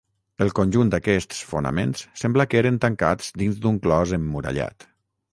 El conjunt d'aquests fonaments sembla que eren tancats dins d'un clos emmurallat.